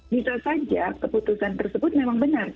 bisa saja keputusan tersebut memang benar